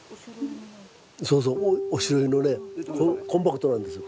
そうそうおしろいのねコンパクトなんですよ。